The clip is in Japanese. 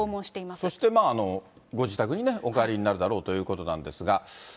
そしてまあ、ご自宅にお帰りになるだろうということなんですが。